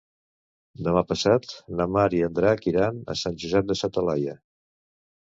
Demà passat na Mar i en Drac iran a Sant Josep de sa Talaia.